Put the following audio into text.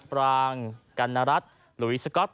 ปรางกัณฑ์นรัฐลูวิสก็อต